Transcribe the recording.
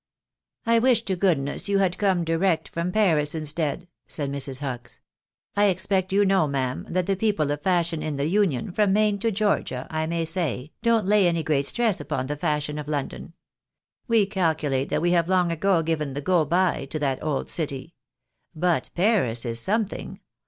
" I wish to goodness you had come direct from Paris instead !" said Mrs. Hucks. " I expect you know, ma'am, that the people of fashion in the Union, from Maine to Georgia, I may say, don't lay any great stress upon the fashion of London. We calculate that we have long ago given the go by to that old city. But Paris is something.